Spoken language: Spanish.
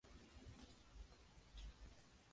Se imponía sólo a extranjeros.